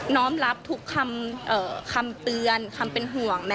้อมรับทุกคำเตือนคำเป็นห่วง